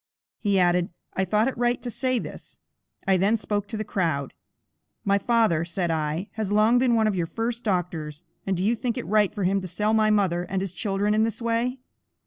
He added, "I thought it right to say this." I then spoke to the crowd. "My father," said I, "has long been one of your first doctors, and do you think it right for him to sell my mother and his children in this way?"